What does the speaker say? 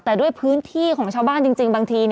แต่ด้วยพื้นที่ของชาวบ้านจริงบางที